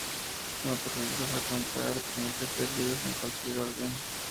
Su naturaleza fragmentada les permite ser leídos en cualquier orden.